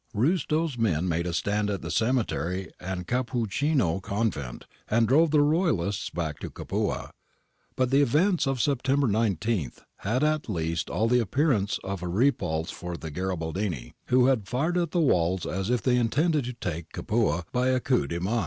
Riistow's men made a stand at the cemetery and Cappuccini Convent and drove the Royalists back to Capua. But the events of September 19 had at least all the appearance of a re pulse for the Garibaldini, who had fired at the walls as if they intended to take Capua by a coup de main.